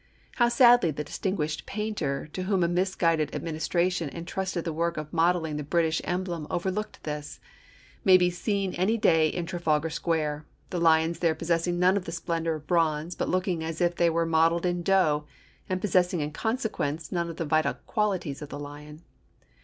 How sadly the distinguished painter to whom a misguided administration entrusted the work of modelling the British emblem overlooked this, may be seen any day in Trafalgar Square, the lions there possessing none of the splendour of bronze but looking as if they were modelled in dough, and possessing in consequence none of the vital qualities of the lion.